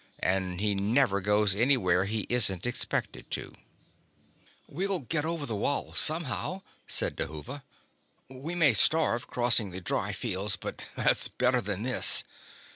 And he never goes anywhere he isn't expected to." "We'll get over the wall somehow," said Dhuva. "We may starve, crossing the dry fields, but that's better than this."